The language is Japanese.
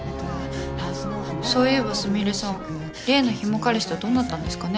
そういえばスミレさん例のヒモ彼氏とどうなったんですかね